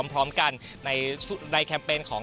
ไปพร้อมในแคมเป็นของ